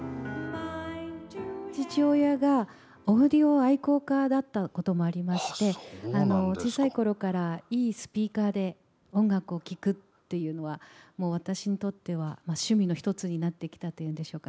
父親がオーディオ愛好家だったこともありまして小さいころからいいスピーカーで音楽を聴くっていうのは私にとっては趣味の１つになってきたというんでしょうか。